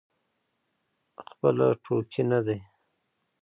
خپل ټوکي نه دی.